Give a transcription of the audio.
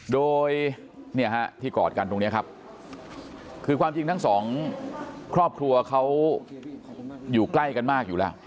โดยเนี่ยฮะที่กอดกันตรงนี้ครับคือความจริงทั้งสองครอบครัวเขาอยู่ใกล้กันมากอยู่แล้ว